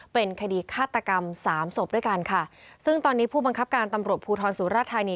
เป็นคดีฆาตกรรมสามศพด้วยกันค่ะซึ่งตอนนี้ผู้บังคับการตำรวจภูทรสุรธานี